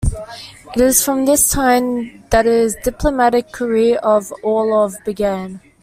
It is from this time that his diplomatic career of Orlov began.